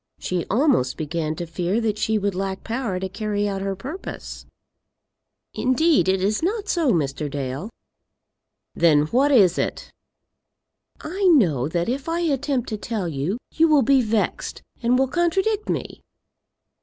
She almost began to fear that she would lack power to carry out her purpose. "Indeed, it is not so, Mr. Dale." "Then what is it?" "I know that if I attempt to tell you, you will be vexed, and will contradict me."